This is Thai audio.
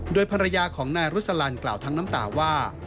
โดยภรรยาของนายรุษลันกล่าวทั้งน้ำตาว่า